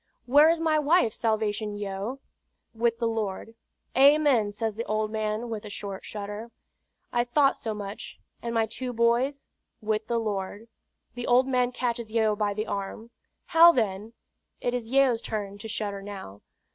"Where is my wife, Salvation Yeo?" "With the Lord." "Amen!" says the old man, with a short shudder. "I thought so much; and my two boys?" "With the Lord." The old man catches Yeo by the arm. "How, then?" It is Yeo's turn to shudder now.